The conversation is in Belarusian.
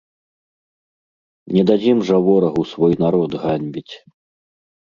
Не дадзім жа ворагу свой народ ганьбіць!